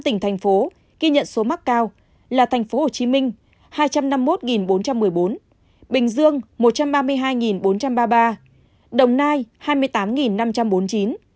năm tỉnh thành phố ghi nhận số mắc cao là thành phố hồ chí minh hai trăm năm mươi một bốn trăm một mươi bốn bình dương một trăm ba mươi hai bốn trăm ba mươi ba đồng nai hai mươi tám năm trăm bốn mươi chín